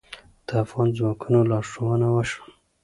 د افغان ځواکونو لارښوونه وشوه.